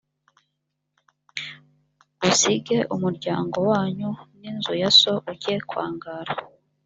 usige umuryango wanyu n’inzu ya so ujye kwangara